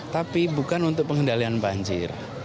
tapi bukan untuk pengendalian banjir